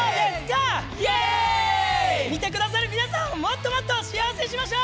見てくださる皆さんをもっと幸せにしましょう！